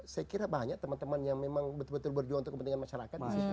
saya kira banyak teman teman yang memang betul betul berjuang untuk kepentingan masyarakat di situ